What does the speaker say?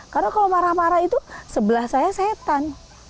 karena kalau marah marah itu sebelah saya setan